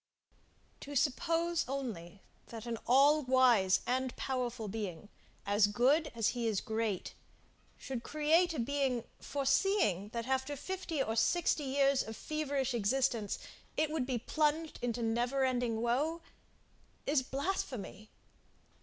To suppose only, that an all wise and powerful Being, as good as he is great, should create a being, foreseeing, that after fifty or sixty years of feverish existence, it would be plunged into never ending woe is blasphemy.